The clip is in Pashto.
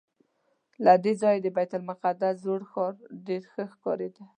له دې ځایه د بیت المقدس زوړ ښار ډېر ښه ښکارېده.